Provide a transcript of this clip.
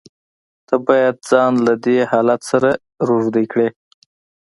ته بايد ځان له دې حالت سره روږدى کړې.